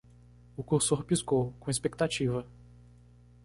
O cursor piscou? com expectativa.